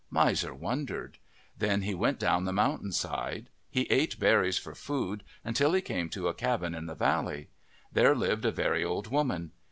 Miser wondered. Then he went down the mountain side. He ate berries for food until he came to a cabin in the valley. There lived a very old woman.